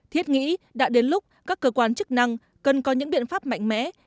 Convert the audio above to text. thiết nghĩ đã đến lúc các cơ quan chức năng cần có những biện pháp mạnh mẽ